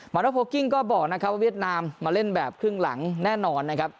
โนโพลกิ้งก็บอกนะครับว่าเวียดนามมาเล่นแบบครึ่งหลังแน่นอนนะครับ